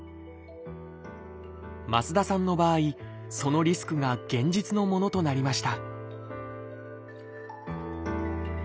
増田さんの場合そのリスクが現実のものとなりました